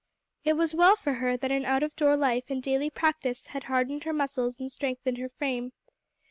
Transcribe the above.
It was well for her that an out of door life and daily practice had hardened her muscles and strengthened her frame.